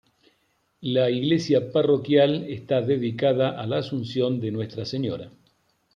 La iglesia parroquial está dedicada a La Asunción de Nuestra Señora.